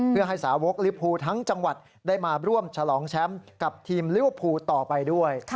เพื่อให้สาวกลิภูทั้งจังหวัดได้มาร่วมฉลองแชมป์กับทีมลิเวอร์พูลต่อไปด้วย